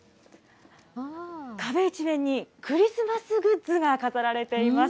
壁一面にクリスマスグッズが飾られています。